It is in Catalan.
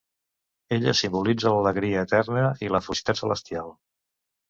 Ella simbolitza l'alegria eterna i la felicitat celestial.